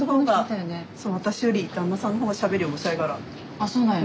あそうなんや。